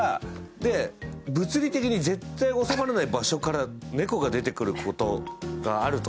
で、物理的に絶対収まらない場所から猫が出てくることがあると。